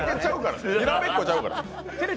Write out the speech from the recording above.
にらめっこちゃうから。